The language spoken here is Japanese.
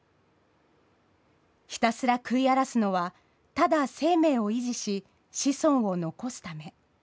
ひたすら食い荒らすのはただ生命を維持し子孫を残すため。